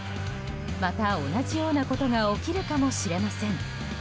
また、同じようなことが起きるかもしれません。